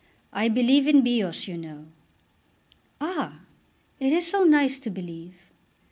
I believe in Bios, you know." "Ah; it is so nice to believe."